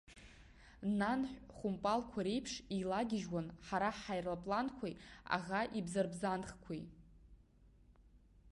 Нанҳә-хәымпалқәа реиԥш еилагьежьуан ҳара ҳҳаирпланқәеи аӷа ибзарбзанхқәеи.